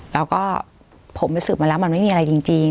แล้วก็ผมไปสืบมาแล้วมันไม่มีอะไรจริง